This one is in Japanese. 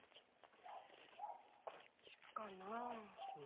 こっちかなあ。